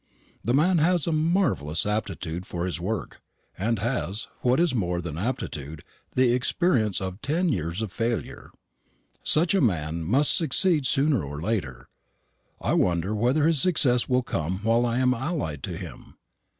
That man has a marvellous aptitude for his work; and has, what is more than aptitude, the experience of ten years of failure. Such a man must succeed sooner or later. I wonder whether his success will come while I am allied to him.